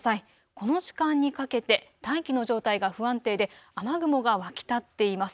この時間にかけて大気の状態が不安定で雨雲が湧き立っています。